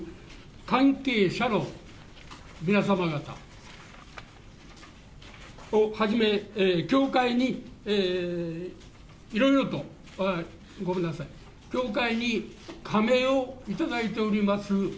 関係者の皆様方をはじめ、協会にいろいろとあっ、ごめんなさい、協会に加盟をいただいております